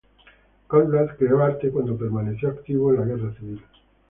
Conrad creó arte cuando permaneció activo en la Guerra Civil.